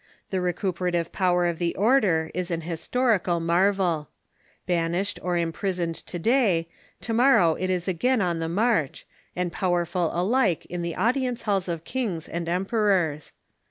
The recuperative power of the order is an historical marvel. Banished or imprisoned to day, to mor row it is again on the march, and powerful alike in the audi ence halls of kings and emperors.